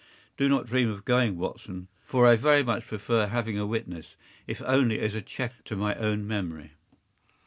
Do not dream of going, Watson, for I very much prefer having a witness, if only as a check to my own memory.